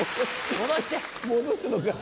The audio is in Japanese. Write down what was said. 戻すのか。